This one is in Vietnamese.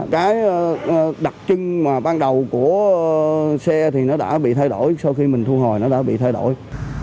cái đặc trưng mà ban đầu của xe thì nó đã bị thay đổi sau khi mình thu hồi nó đã bị thay đổi